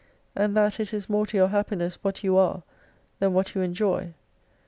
And that it is more to your happiness what you are, than what you enjoy.